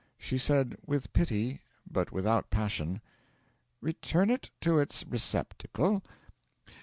She said, with pity but without passion: 'Return it to its receptacle.